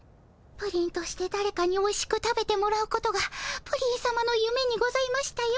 プリンとしてだれかにおいしく食べてもらうことがプリンさまのゆめにございましたよね。